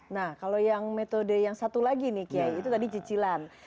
nah kalau yang metode yang satu lagi nih kiai itu tadi cicilan